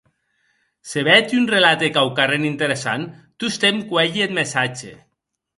Se bèth un relate quauquarren interessant, tostemp cuelhi eth messatge.